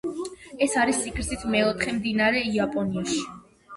ეს არის სიგრძით მეოთხე მდინარე იაპონიაში.